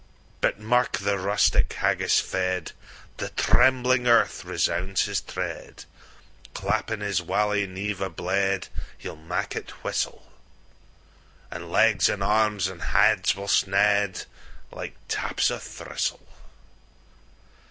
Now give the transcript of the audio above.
But mark the Rustic, haggis fed, The trembling earth resounds his tread. Clap in his walie nieve a blade, He'll mak it whissle; An' legs an' arms, an' hands will sned, Like taps o' trissle.